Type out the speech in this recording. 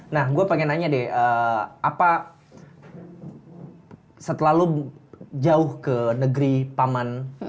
nah gue pengen nanya deh apa selalu jauh ke negeri paman